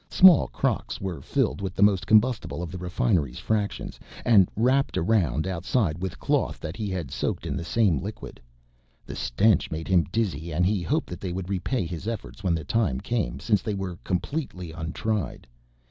Small crocks were filled with the most combustible of the refinery's fractions and wrapped around outside with cloth that he had soaked in the same liquid. The stench made him dizzy and he hoped that they would repay his efforts when the time came, since they were completely untried.